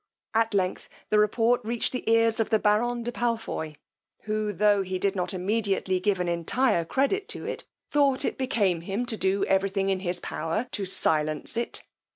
At length the report reached the ears of the baron de Palfoy, who, tho' he did not immediately give an entire credit to it, thought it became him to do every thing in his power to silence it.